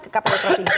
ke kpu provinsi